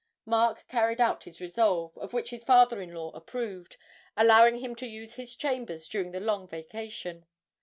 Mark carried out his resolve, of which his father in law approved, allowing him to use his chambers during the Long Vacation.